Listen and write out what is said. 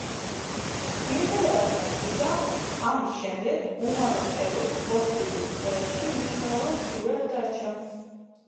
მიუხედავად მარცხისა, ამის შემდეგ უმალა პერუს პოლიტიკურ წრეებში მნიშვნელოვან ფიგურად დარჩა.